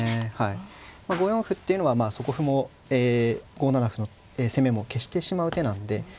５四歩っていうのは底歩も５七歩の攻めも消してしまう手なんで。